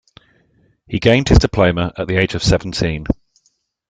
He gained his diploma at the age of seventeen.